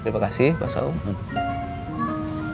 terima kasih pak saung